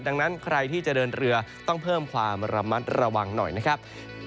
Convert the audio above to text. ดังนั้นใครที่จะเดินเรือต้องเพิ่มความระมัดระวังหน่อยนะครับ